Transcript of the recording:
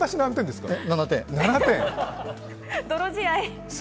７点。